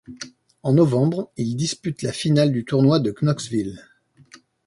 En novembre, il dispute la finale du tournoi de Knoxville.